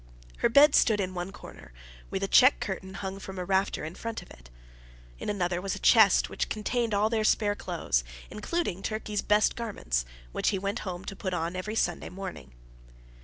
Her bed stood in one corner, with a check curtain hung from a rafter in front of it. In another was a chest, which contained all their spare clothes, including Turkey's best garments, which he went home to put on every Sunday morning.